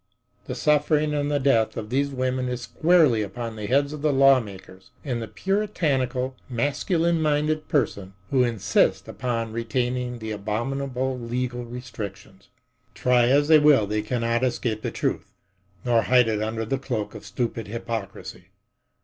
The suffering and the death of these women is squarely upon the heads of the lawmakers and the puritanical, masculine minded person who insist upon retaining the abominable legal restrictions. Try as they will they cannot escape the truth, nor hide it under the cloak of stupid hypocrisy.